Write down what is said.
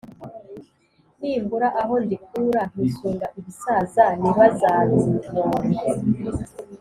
nimbura aho ndikura nkisunga ibisaza nibaza bimpore